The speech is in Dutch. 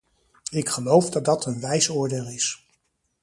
Ik geloof dat dat een wijs oordeel is.